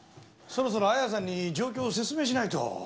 そろそろ綾さんに状況を説明しないと。